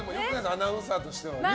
アナウンサーとしては。